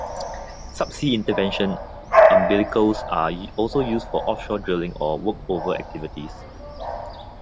Subsea intervention umbilicals are also used for offshore drilling or workover activities.